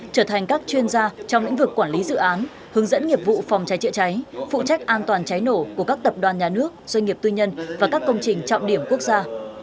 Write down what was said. trở thành các chuyên gia trong lĩnh vực quản lý dự án hướng dẫn nghiệp vụ phòng cháy chữa cháy phụ trách an toàn cháy nổ của các tập đoàn nhà nước doanh nghiệp tư nhân và các công trình trọng điểm quốc gia